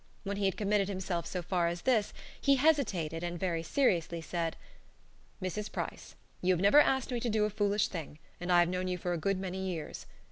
When he had committed himself so far as this, he hesitated, and very seriously said: "Mrs. Price, you have never asked me to do a foolish thing, and I have known you for a good many years.